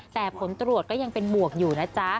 แต่ผลตรวจก็ยังเป็นบวกอยู่นะจ๊ะ